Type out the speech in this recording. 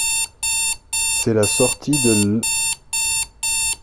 C'est la sortie de l'.